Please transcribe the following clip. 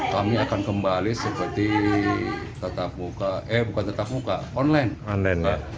kami akan kembali seperti tetap buka eh bukan tetap muka online